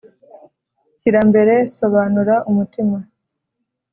shyirambere sobanura umutima